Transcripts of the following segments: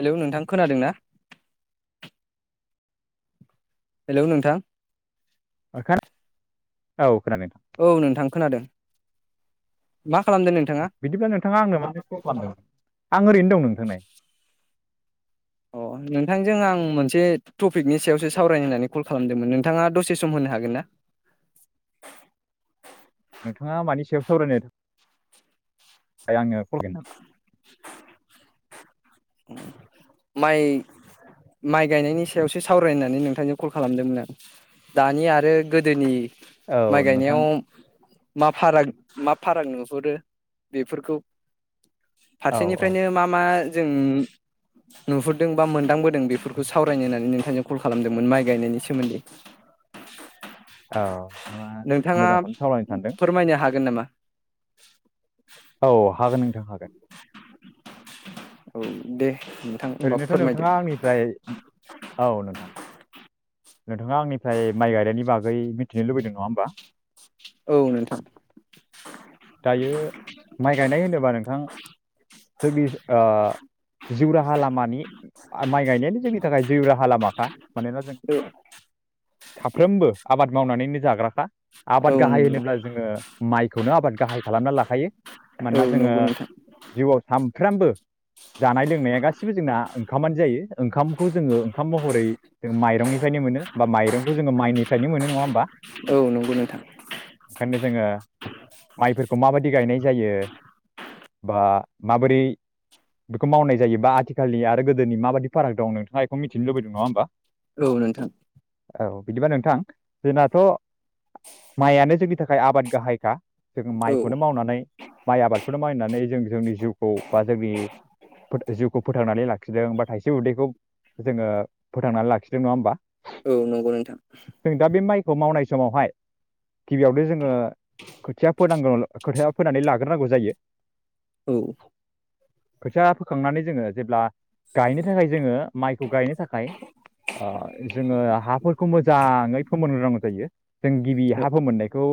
Hello नोंथां खोनादों ना? हेलौ नोंथां औ खोनादों। नोंथां औ नोंथां खोनादों मा खालामदों नोंथाङा बिदिब्ला नोंथाङा आंनो माने फल खालामदों आं ओरैनो दं नोंथां नै अ नोंथांजों आं मोनसे टपिकनि सायावसो सावरायनो होननानै कल खालामदोंमोन नोंथाङा दसे सम होनो हागोन ना? नोंथाङा मानि सायाव सावरायनो थाखाय आंनो [unintelligible] नामा माइ माइ गायनायनि सायावसो सावरायनानै नोंथांजों कल खालामदोंमोन आं दानि आरो गोदोनि माय औ नोंथां गायनायाव मा फाराग मा फाराग नुहुरो बेफोरखौ औ औ फारसेनिफ्रायनो नोंथां मा मा जों नुहुरदों बा मोनदांबोदों बेफोरखौ सावरायनो होननानै नोंथांजों कल खालामदोंमोन माइ गायनायनि सोमोन्दै। औ नोंथाङा नोंथाङा मोजांखौनो सावरायनो सानदों फोरमायनो हागोन नामा? [inaudible] औ हागोन नोंथां हागोन। औ दे नोंथां होमबा ओरैनोथ' फोरमायदो नोंथाङा आंनिफ्राय औ नोंथां नोंथाङा आंनिफ्राय माइ गायनायनि बागै मिथिनो लुबैदों नङा होमबा औ नोंथां दायो माइ गायनाय होनोबा नोंथां जोंनि ओ जिउ राहा लामानि माइ गायनायानो जोंनि थाखाय जिउ राहा लामाखा मानोना जों साफ्रोमबो आबाद मावनानैनो जाग्राखा आबाद औ गाहाय नंगौ होनोब्ला जोङो माइखौनो आबाद खालामना लाखायो औ मानोना जोङो नंगौ नोंथां जिउआव साम साफ्रोमबो जानाय लोंनाया गासिबो जोंना ओंखामानो जायो ओंखामखौ जोङो ओंखाम महरै जों माइरंनिफ्रायनो मोनो बा माइरंखौ जोङो माइनिफ्रायनो मोनो नङा होमबा औ नंगौ नोंथां बेखायनो जोङो माइफोरखौ माबायदि गायनाय जायो बा माबोरै बेखौ मावनाय जायो बा आथिखालनि आरो गोदोनि माबादि फाराग दं नोंथाङा एखौ मिथिनो लुबैदों नङा होमबा औ नोंथां औ बिदिबा नोंथां जोंनाथ' माइयानो जोंनि थाखाय आबाद गाहायखा जों औ माइखौनो मावनानै माइ आबादखौ मायनानै जों जोंनि जिउखौ बा जोंनि जिउखौ फोथांनानै लाखि लाखिदों बा थाइसे उदैखौ जोङो फोथांनानै लाखिदों नङा होमबा। औ नंगौ नोंथां जों दा बे माइखौ मावनाय समावहाय गिबियावनो जोङो खोथिया फोनांगौ खोथाया फोनानै लाग्रोनांगौ जायो। औ खोथिया फोखांनानै जोङो जेब्ला गायनो थाखाय जोङो माइखौ गायनो थाखाय ओ जोङो हाफोरखौ मोजाङै फोमोनग्रो नांगौ जायो। जों गिबि हा फोमोननायखौ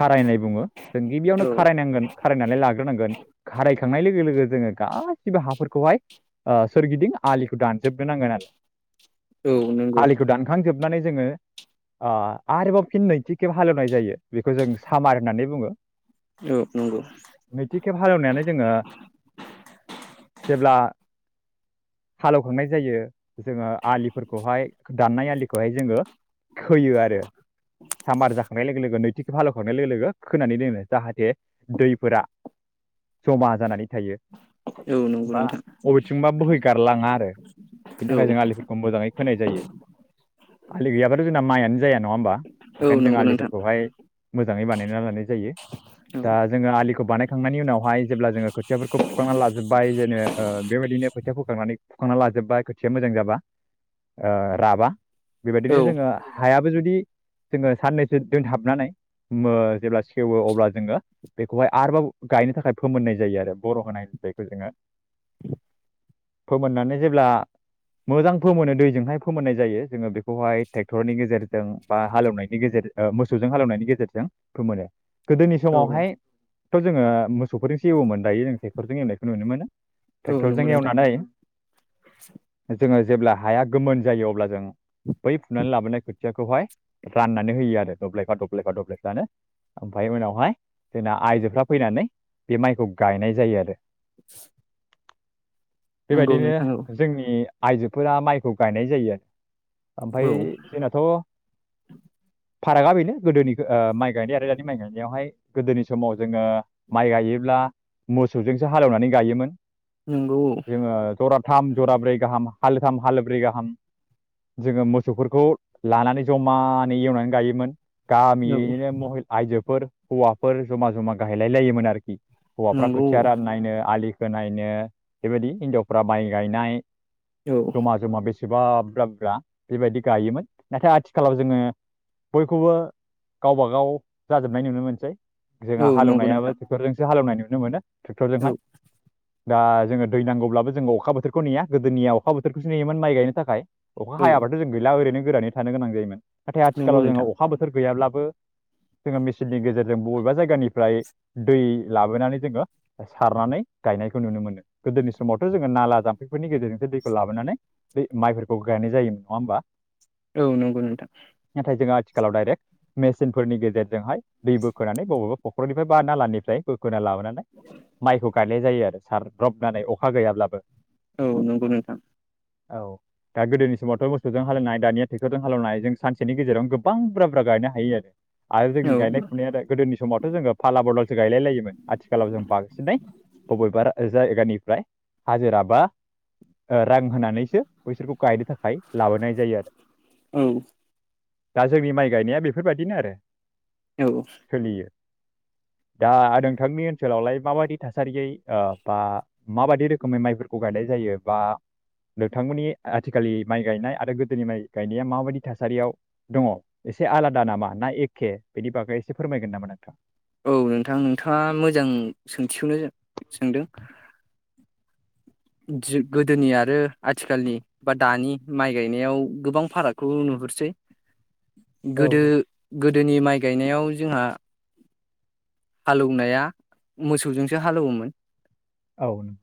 खारायनाय बुङो जों गिबियावनो औ खारायनांगोन खारायनानै लाग्रोनांगोन खारायखांनाय लोगो लोगो जोङो गासिबो हाफोरखौहाय ओ सोरगिदिं आलिखौ दानजोबनो नांगोन आरो औ नंगौ आलिखौ दानखांजोब नानै जोङो ओ आरोबाव फिन नैथि खेब हालेवनाय जायो बेखौ जों सामार होननानै बुङो औ नंगौ नैथि खेब हालेवनायानो जोङो जेब्ला हालेवखांनाय जायो जोङो आलिफोरखौहाय दाननाय आलिखौहाय जोङो खोयो आरो सामबार जाखांनाय लोगो लोगो नैथि खेब हालेवखांनाय लोगो लोगो खोनानै दोनो जाहाथे दैफोरा जमा जानानै थायो औ नंगौ बा नोंथां बबेथिंबा बोहैगारलाङा आरो बिनि औ थाखाय जों आलिफोरखौ मोजाङै खोनाय जायो आलि गैयाबाथ' जोंना माइआनो जाया नङा होमबा औ ओंखायनो जों नंगौ नोंथां आलिफोरखौहाय मोजाङै बानायनानै ला नाय जायो। औ दा जोङो आलिखौ बानायखांनायनि उनावहाय जेब्ला जोङो खोथियाफोरखौ फुखांनानै लाजोबबाय जेनो बेबायदिनो खोथिया फुखांनानै फुखांनानै लाजोबबाय खोथिया मोजां जाबा ओ राबा बेबायदिनो औ जोङो हायाबो जुदि जोङो साननैसो दोनथाबनानै मो जेब्ला सेवो अब्ला जोङो बेखौहाय आरोबाव गायनो थाखाय फोमोननाय जायो आरो बर' होनाय बेखौ जोङो फोमोननानै जेब्ला मोजां फोमोनो दैजोंहाय फोमोननाय जायो जोङो बेखौहाय ट्रेक्टरनि गेजेरजों बा हालेवनायनि गेजेरजों ओ मोसौजों हालेवनायनि गेजेरजों फोमोनो गोदोनि औ समावहाय थ' जोङो मोसौफोरजोंसो एवोमोन दायो जों टेक्टरजों एवनायखौ नु मोनो औ नंगौ ट्रेक्टरजों नोंथां एवनानै जोङो जेब्ला हाया गोमोन जायो अब्ला जों बै फुनानै लाबोनाय खोथियाखौहाय राननानै होयो आरो दब्लायफा दब्लायफा दब्लायफानो ओमफ्राय उनावहाय जोंना आइजोफ्रा फैनानै बे माइखौ गायनाय जायो आरो [inaudible] नंगौ बेबायदिनो नोंथां औ जोंनि आयजोफोरा माइखौ गायनाय जायो ओमफ्राय औ जोंनाथ' फारागा बेनो गोदोनि ओ माइ गायनाय आरो माइ गायनायावहाय गोदोनि समाव जोङो माइ गायोब्ला मोसौजोंसो हालेवनानै गायोमोन नंगौ जोङो जराथाम जराब्रै गाहाम हालोथाम हालब्रै गाहाम जोङो मोसौफोरखौ लानानै जमानै एवनानै गायोमोन औ गामियैनो महि हिनजावफोर हौवाफोर जमा जमा गायलायलायोमोन आरोकि हौवाफ्रा नंगौ खोथिया राननायनो आलि खोनायनो बेबायदि हिनजावफ्रा माइ गायनाय औ जमा ज'मा बे बेसेबा ब्ररजा ब्ररजा बेबायदि गायोमोन नाथाय आथिखालाव जोङो बयखौबो गावबा गाव जाजोबनाय नुनो मोनसै औ जोंहा नंगौ हालेवनायाबो नोंथां ट्रेक्टरजोंसो हालेवनाय नो नो मोनो औ ट्रेक्टरजोंहाय दा जोङो दै नांगौब्लाबो जोङो अखा बोथोरखौ नेया गोदोनिया अखा बोथोरखौसो नेयोमोन माइ गायनो थाखाय अखा औ हायाबाथ' जों गैला ओरैनो गोरानै थानो गोनां जायोमोन नाथाय नंगौ आथिखालाव जोङो नोंथां अखा बोथोर गैयाब्ला बो जोङो मेसिननि गेजेरजों बबेबा जायगानिफ्राय दै लाबोनानै जोङो सारनानै गायनायखौ नुनो मोनो गोदोनि समावथ' जोङो नाला जामफैफोरनि गेजेरजोंसो दैखौ लाबोनानै माइफोरखौ गायनाय जायोमोन नङा होमबा औ नंगौ नोंथांं खालाव डाइरेक्ट मेसिनफोरनि गेजेर जोंहाय दै बोखोनानै बबेबा ह'ख्रनिफ्राय बा नालानिफ्राय बो खोना लाबोनानै माइखौ गाय नाय जायो आरो साफ्रबनानै अखा गैयाब्लाबो औ नंगौ नोंथां औ दा गोदोनि समावथ' मोसौजों हालेवनाय दानिया ट्रेक्ट'रजों हालेवनाय जों सानसेनि गेजेरावनो गोबां बुरजा बुरजा गायनो हायो आरो। आरो जोंनि औ गायनाय फुनाया गोदोनि समावथ' जोङो फाला बदलसो गायलाय लायोमोन आथिखालाव जों बांसिनै बबेबा ओ जायगानिफ्राय हाजिरा बा ओ रां होनानैसो बैसोरखौ गायनो थाखाय लाबोनाय जायो आरो। औ दा जोंनि माइ गायनाया बेफोरबायदिनो आरो। औ सोलियो दा नोंथांनि ओनसोलावलाय माबायदि थासारियै ओ बा माबायदि रोखोमै माइफोरखौ गायनाय जायो बा नोंथांमोननि आथिखालि माइ गायनाय आरो गोदोनि माइ गायनाया माबायदि थासारियाव दङ एसे आलादा नामा ना ए खे बेनि बागै एसे फोरमायगोन नामा नोंथां? औ नोंथां नोंथाङा मोजां सोंथिखौनो सोंदों। गोदोनि आरो आथिखालनि बा दानि माइ गायनायाव गोबां फारागखौ नुहुरसै। औ गोदो गोदोनि माइ गायनायाव जोंहा हालौवनाया मोसौजोंसो हालौवोमोन। औ नों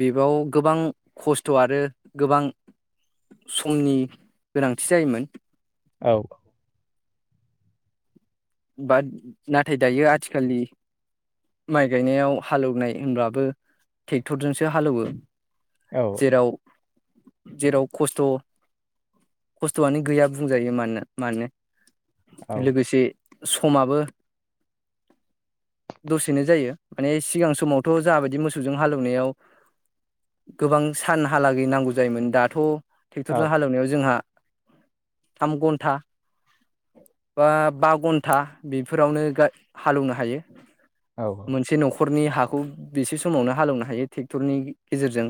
बेबाव गोबां खस्थ' आरो गोबां समनि गोनांथि जायोमोन। औ औ बा नाथाय दायो आथिखनि माइ गायनायाव हालौवनाय होनबाबो ट्रेक्टरजोंसो हालौवो। औ जेराव जेराव खस्थ' खस्थ'आनो गैया बुंजायो मानो मानो। औ लोगोसे समाबो दसेनो जायो माने सिगां समावथ' जाबायदि मोसौजों हालेवनायाव गोबां सानहालागै नांगौ जायोमोन दाथ' ट्रेक्टरजों हालेवनायाव जोंहा थाम घन्टा ब बा घ था बेफोरावनो हालौवनो हायो। औ मोनसे न'खर रनि हाखौ बेसे समावनो हालेवनो हायो ट्रेक्टरनि गेजेरजों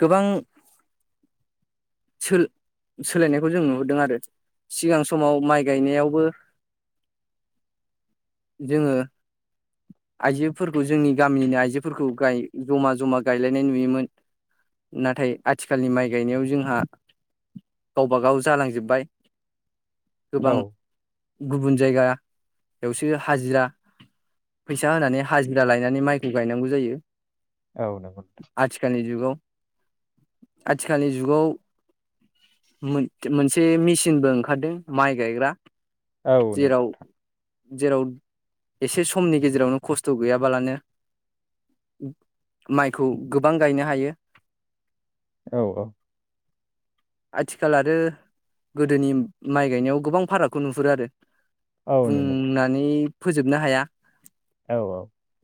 गोबां सोलायनायखौ जों नुहदों आरो। सिगां समाव माइ गायनायावबो जोङो आइजोफोरखौ जोंनि गामिनि आइजोफोरखौ जमा जमा गायलायनाय नुयोमोन नाथाय आथिखालनि माइ गायनायाव जोंहा गावबा गाव जालांजोब्बाय। गोबां औ गुबुन जायगा बेयावसो हाजिरा फैसा होनानै हाजिरा लायनानै माइखौ गायनांगौ जायो। औ नंगौ नोंथां आथिखालनि जुगाव आथिखालनि जुगाव मोन-मोनसे मिसिन सिनबो ओंखारदों माइ गायग्रा औ नंगौ जेराव नोंथां जेराव एसे समनि गेजेरावनो खस्थ' गैयाबालानो माइखौ गोबां गायनो हायो। औ औ आथिखाल आरो गोदोनि माइ गायनायाव गोबां फारागखौ नुहुरो आरो। औ नुनो मोनो बुंनानै फोजोबनो हाया औ औ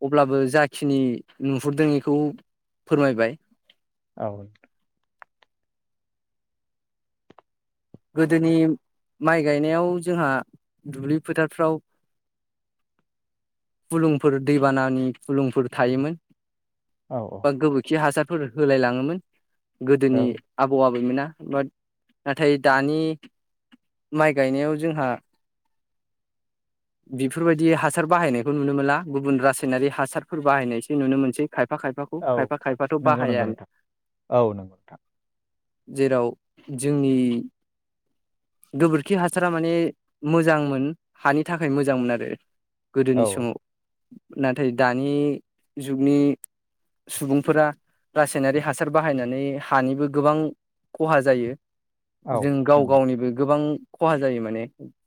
अब्लाबो जाखिनि नुहुरदों इखौ फोरमायबाय औ गोदोनि माइ गायनायाव जोंहा दुब्लि फोथारफ्राव फुलुंफोर दैबानानि फुलुंफोर थायोमोन। औ बा गोबोरखि हासार फोर होलाय लाङोमोन। औ गोदोनि औ आबौ आबैमोना बाद नाथाय दानि माइ गायनायाव जोंहा बेफोरबायदि हासार बाहायनायखौ नुनो मोनला गुबुन रासायनारि हासारफोर बाहायनायसो नुनो मोनसै खायफा खायफाखौ औ खायफा खायफाथ' नंगौ नंगौ बाहायानो नोंथां औ नंगौ नोंथां जेराव जोंनि गोबोरखि हासारा माने मोजांमोन हानि थाखाय मोजां मोन आरो गोदोनि औ समाव नाथाय दानि जुगनि सुबुंफोरा रासायनारि हासार बाहायनानै हानिबो गोबां खहा जायो औ जों गाव नंगौ गावनिबो गोबां खहा जायो माने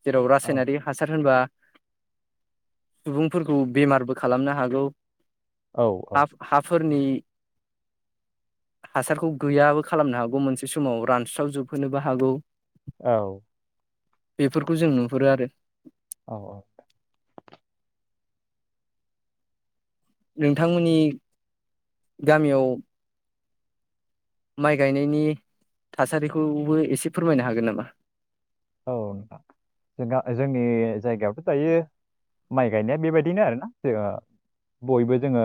जेराव औ रासायनारि हासार मानो होनबा सुबुंफोरखौ बेमारबो खालामनो हागौ औ औ फोरनि हासारखौ गैयाबो खालामनो हागौ मोनसे समाव रानस्रावजोबहोनोबो हागौ औ बेफोरखौ जों नुहुरो आरो औ औ नोंथांमोननि गामियाव माइ गायनायनि थासारिखौबो एसे फोरमायनो हागोन नामा औ नोंथां जों जोंनि जायगायावथ' दायो माइ गायनाया बेबायदिनो आरोना जो बयबो जोङो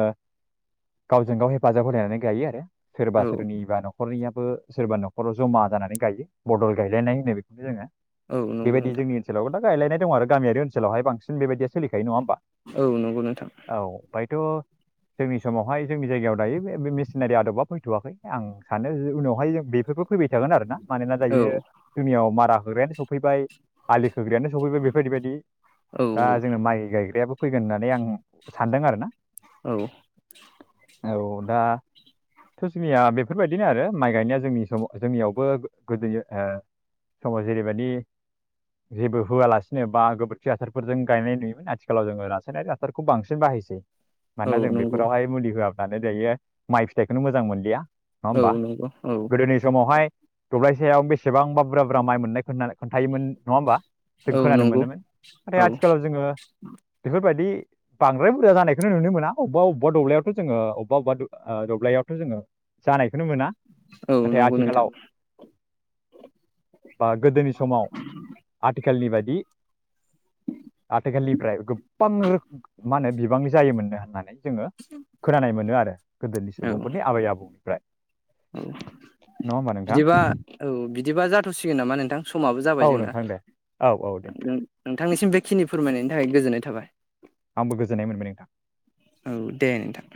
गावजों गाव हेफाजाब होलायनानै गायो आरो सोरबा औ सोरनिबा न'खरनियाबो सोरबा न न'खराव जमा जानानै गायो बदल गायलायनाय होनो बेखौनो जोङो औ नंगौ बेबायदि नोंथां जोंनि ओनसोलावबो दा गायलायनाय दं आरो गामियारि ओनसोलावहाय बांसिन बेबायदि सोलिखायो नङा होमबा औ नंगौ नोंथां औ बाय थ' जोंनि समावहाय जोंनि जायगायाव दायो बे मेसिनारि आदबा फैथ'वाखै आं सानो उनावहाय जों बेफोरखौ फैबाय थागोन आरो ना मानोना औ जायो जोंनियाव मारा होग्रायानो सफैबाय आलिखौ खोग्रायानो सफैबाय बेफोरबायदि बायदि दा जोंना माइ गायग्रायाबो फैगोन होननानै आं सानदों आरो ना औ औ दा थ' जोंनिया बेफोरबायदिनो आरो माइ गायनाया जोंनि समाव जोंनियावबो गोदोनि ओ समाव जेरै बेबायदि जेबो होआलासिनो बा गोबोरखि हसारफोरजों गायनाय नुयोमोन आथिखालाव जोङो रासायारि हसारखौ बांसिन बाहायसै औ मानोना जों नंगौ बेफोरावहाय मुलि होआ माने दायो माइ फिथाइखौनो मोजां मोनलिया नङा औ होमबा नंगौ औ गोदोनि समावहाय दब्लायसेयाव बेसे सेबांबा बुरजा बुरजा माइ मोननाय खोन्थायोम नङा होमबा जों औ खोनानो नंगौ मोनोमोन औ नाथाय आथिखालाव जोङो बेफोरबायदि बांद्राय बुरजा जानायखौनो नुनो मोना अबावबा अबावबा दब्लायावथ' जोङो अबेबा अबेबा दब्लायावथ' जोङो जानायखौनो मोना औ नाथाय नंगौ नोंथां आथिखालाव बा गोदोनि समाव आथि आथिखालनि बायदि आथिखालनिफ्राय गोबां रोखोम मा होनो बिबांनि जायोमोननो होननानै जोङो खोनानाय मोनो आरो गोदोनि औ सुबुंफोरनि आबै आबौनिफ्राय औ नङा होमबा नोंथां बिदिबा औ बिदिबा जाथ'सिगोन नामा नोंथां समाबो जाबाय औ जोंना नोंथां दे औ औ दे नोंथां, नोंथांनिसिम बे खिनि फोरमायनायनि थाखाय गोजोननाय थाबाय आंबो गोजोननाय मोनबाय नोंथां औ दे नोंथां